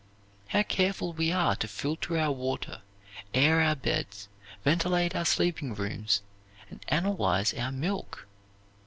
How careful we are to filter our water, air our beds, ventilate our sleeping rooms, and analyze our milk!